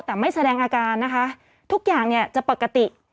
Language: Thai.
แต่ไม่แสดงอาการนะคะทุกอย่างเนี่ยจะปกติ